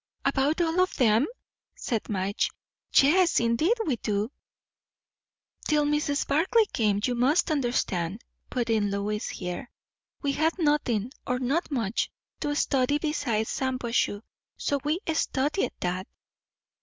"About all of them?" said Madge. "Yes, indeed we do." "Till Mrs. Barclay came, you must understand," put in Lois here, "we had nothing, or not much, to study besides Shampuashuh; so we studied that."